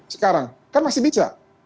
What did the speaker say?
sekarang kan masih bisa